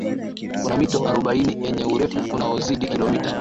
kuna mito arobaini yenye urefu unaozidi kilomita